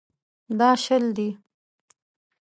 دا شل دي.